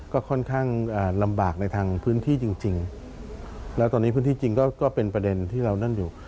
ก็ค่อนข้างลำบากในทางพื้นที่จริงแล้วตอนนี้พื้นที่จริงก็เป็นประเด็นที่เรานั่นอยู่